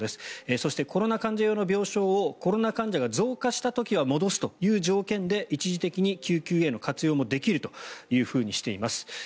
そして、コロナ患者用の病床をコロナ患者が増加した時は戻すという条件で一時的に救急への活用もできるとしています。